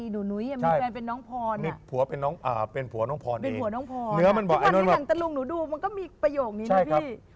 นูนุ้ยมีแฟนน้องพรบางที่ทำ์ตะลุงหนูดูมันมีประโยคนี้นะ